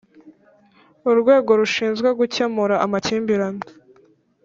Urwego rushinzwe gukemura amakimbirane